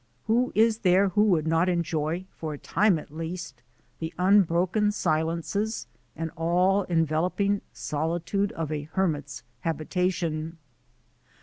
Who is there who would not enjoy, for a time at least, the unbroken silences and all enveloping solitude of a hermit's habitation